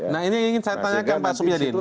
nah ini ingin saya tanyakan pak subyadin